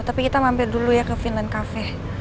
tapi kita mampir dulu ya ke finland cafe